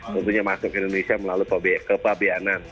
tentunya masuk ke indonesia melalui kepabianan